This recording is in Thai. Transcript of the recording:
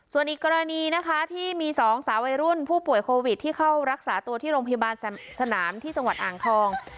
ส่วนอีกกรณีนะคะที่มีสองสาววัยรุ่นผู้ป่วยโควิดที่เข้ารักษาตัวที่โรงพยาบาลสนามที่จังหวัดอ่างทอง